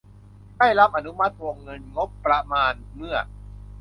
ได้รับอนุมัติวงเงินงบประมาณเมื่อ